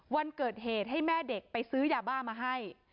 วันเกิดเหตุให้แม่เด็กไปซื้อยาบ้ามาให้